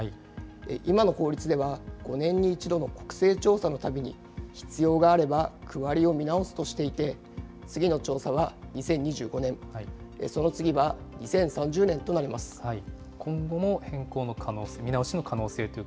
今の法律では、５年に１度の国勢調査のたびに、必要があれば、区割りを見直すとしていて、次の調査は２０２５年、今後も変更の可能性、見直しの可能性という。